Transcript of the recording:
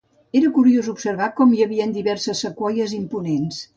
Era curiós observar com hi havien diverses sequoies imponents.